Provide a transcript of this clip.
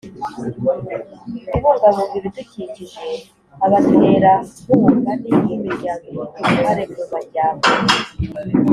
kubungabunga ibidukikije abaterankunga n'indi miryango ifite uruhare mu majyambere